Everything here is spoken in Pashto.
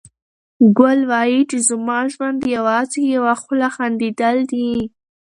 ګل وايي چې زما ژوند یوازې یوه خوله خندېدل دي.